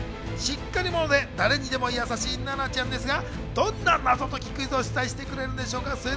しっかり者で誰にでもやさしい菜奈ちゃんですが、どんな謎解きクイズを出題してくれるんでしょうか。